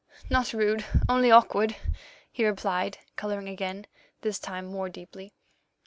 "Not rude, only awkward," he replied, colouring again, this time more deeply.